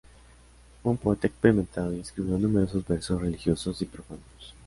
Fue un poeta experimentado, y escribió numerosos versos religiosos y profanos.